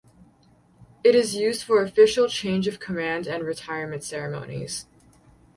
It is used for official change-of-command and retirement ceremonies.